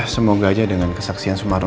semoga aja dengan kesaksian sumarno